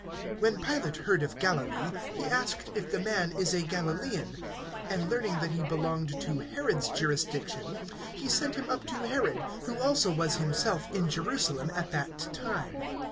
(6)When Pilate heard of Galilee, he asked if the man is a Galilaean. (7)And learning that he belonged to Herod's jurisdiction, he sent him up to Herod, who also was himself in Jerusalem at that time.